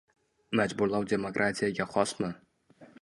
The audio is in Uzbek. Majburlov demokratiyaga xosmi?